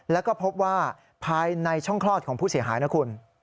แล้วก็พบว่าภายในช่องคลอดของผู้เสียหายนะคุณ